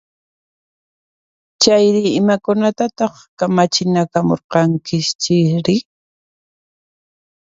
Chayri, imakunatataq kamachinakamurqankichisri?